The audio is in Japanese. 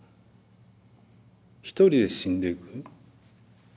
一人で死んでいく。